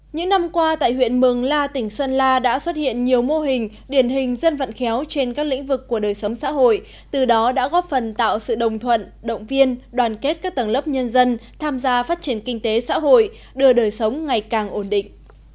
những năm qua tại huyện mường la tỉnh sơn la đã xuất hiện nhiều mô hình điển hình dân vận khéo trên các lĩnh vực của đời sống xã hội từ đó đã góp phần tạo sự đồng thuận động viên đoàn kết các tầng lớp nhân dân tham gia phát triển kinh tế xã hội đưa đời sống ngày càng ổn định